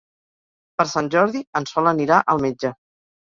Per Sant Jordi en Sol anirà al metge.